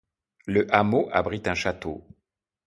Le hameau abrite un château.